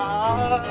kerana kami berpikir